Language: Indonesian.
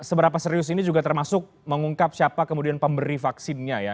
seberapa serius ini juga termasuk mengungkap siapa kemudian pemberi vaksinnya ya